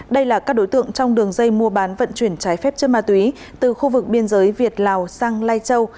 đây là các đối tượng trong đường dây mua bán vận chuyển trái phép chất ma túy từ khu vực biên giới việt lào sang lai châu